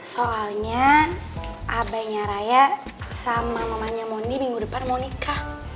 soalnya abainya raya sama mamanya mondi minggu depan mau nikah